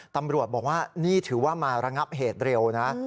ตำรวจบอกว่านี่ถือว่ามาระงับเหตุเร็วนะ